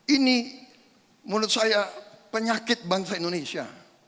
ini menurut saya penyakit bangsa indonesia